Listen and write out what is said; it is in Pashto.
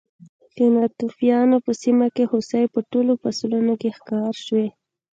د ناتوفیانو په سیمه کې هوسۍ په ټولو فصلونو کې ښکار شوې.